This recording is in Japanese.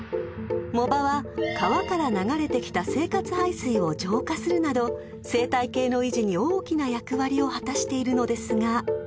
［藻場は川から流れてきた生活排水を浄化するなど生態系の維持に大きな役割を果たしているのですが］